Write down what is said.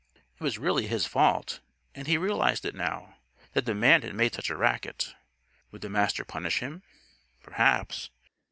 It was really his fault and he realized it now that the man had made such a racket. Would the Master punish him? Perhaps.